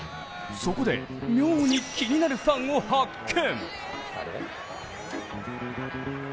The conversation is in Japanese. そこで、妙に気になるファンを発見。